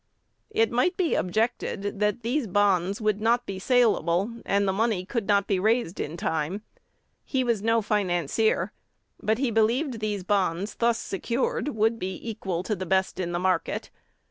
"It might be objected that these bonds would not be salable, and the money could not be raised in time. He was no financier; but he believed these bonds thus secured would be equal to the best in market.